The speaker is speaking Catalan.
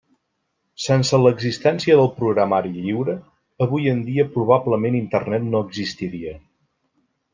Sense l'existència del programari lliure, avui en dia probablement Internet no existiria.